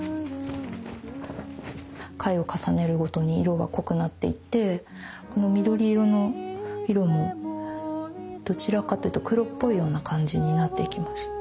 回を重ねるごとに色は濃くなっていってこの緑色の色もどちらかというと黒っぽいような感じになっていきます。